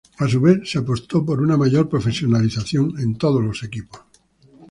A su vez, se apostó por una mayor profesionalización en todos los equipos.